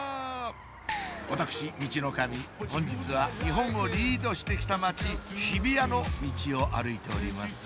私ミチノカミ本日は日本をリードしてきた街日比谷のミチを歩いております